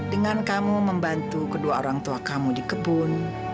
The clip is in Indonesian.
dengan kamu membantu kedua orang tua kamu di kebun